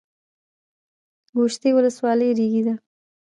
ګوشتې ولسوالۍ ریګي ده؟